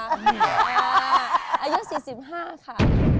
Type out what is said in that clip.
อายุ๔๕ค่ะ